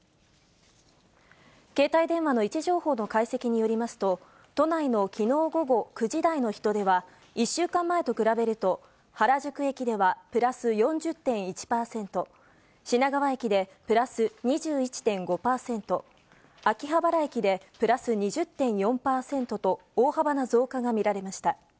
携帯電話の位置情報の解析によりますと、都内のきのう午後９時台の人出は、１週間前と比べると、原宿駅ではプラス４０．１％、品川駅でプラス２１．５％、秋葉原駅でプラス２０．４％と、大幅な増加が見られました。